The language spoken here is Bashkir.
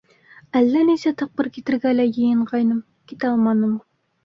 Әллә нисә тапҡыр китергә лә йыйынғайным, китә алманым.